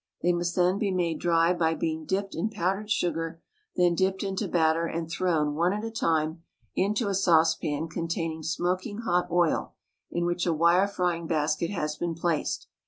They must then be made dry by being dipped in powdered sugar, then dipped into batter and thrown, one at a time, into a saucepan containing smoking hot oil in which a wire frying basket has been placed.